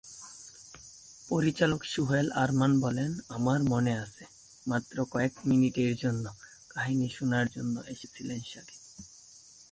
পরিচালক সোহেল আরমান বলেন, ‘‘আমার মনে আছে, মাত্র কয়েক মিনিটের জন্য কাহিনী শোনার জন্য এসেছিলেন শাকিব।